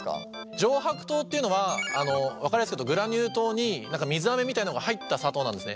上白糖っていうのは分かりやすく言うとグラニュー糖に水あめみたいのが入った砂糖なんですね。